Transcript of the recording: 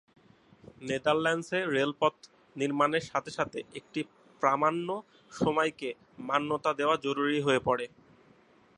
নেদারল্যান্ডসে রেলপথ নির্মাণের সাথে সাথে একটি প্রামাণ্য সময়কে মান্যতা দেওয়া জরুরি হয়ে পরে।